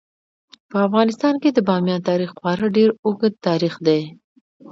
په افغانستان کې د بامیان تاریخ خورا ډیر اوږد تاریخ دی.